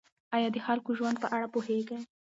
آیا د خلکو د ژوند په اړه پوهېږئ؟